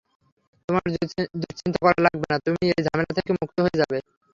তোমার দুশ্চিন্তা করা লাগবে না, তুমি এই ঝামেলা থেকে মুক্ত হয়ে যাবে।